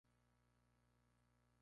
Es básicamente sobre el ser humano.